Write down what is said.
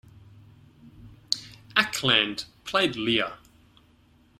Ackland played Lear.